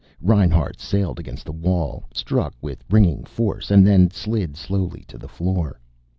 Reinhart sailed against the wall, struck with ringing force and then slid slowly to the floor.